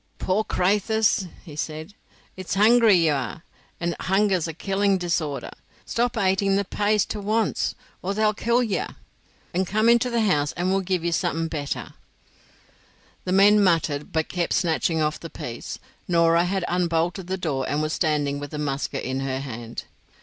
"Poor craythurs," he said, "it's hungry ye are, and hunger's a killing disorder. Stop ating they pays to wonst, or they'll kill ye, and come into the house, and we'll give ye something better." The men muttered, but kept snatching off the peas. Norah had unbolted the door, and was standing with the musket in her hand.